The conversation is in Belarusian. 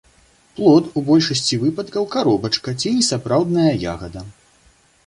Плод у большасці выпадкаў каробачка ці несапраўдная ягада.